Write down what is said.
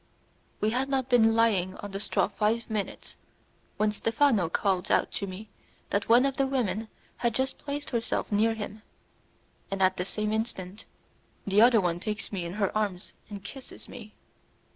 We had not been lying on the straw five minutes, when Stephano called out to me that one of the women had just placed herself near him, and at the same instant the other one takes me in her arms and kisses me.